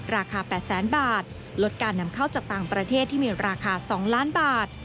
ราคา๘แสนบาทลดการนำเข้าจากต่างประเทศที่มีราคา๒ล้านบาท